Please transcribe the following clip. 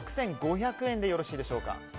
６５００円でよろしいでしょうか。